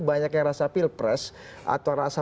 banyak yang rasa pilpres atau rasa